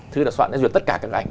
thư tòa soạn duyệt tất cả các ảnh